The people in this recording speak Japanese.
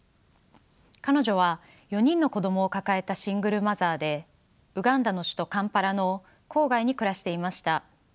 彼女は４人の子供を抱えたシングルマザーでウガンダの首都カンパラの郊外に暮らしていました。